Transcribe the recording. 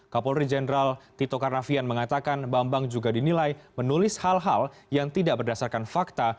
kapolri jenderal tito karnavian mengatakan bambang juga dinilai menulis hal hal yang tidak berdasarkan fakta